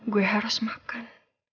gue harus makan